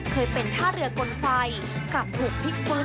เคยเป็นท่าเรือกลไฟกลับถูกพลิกฟื้น